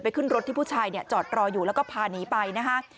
ขึ้นรถที่ผู้ชายเนี่ยจอดรออยู่แล้วก็พาหนีไปนะฮะ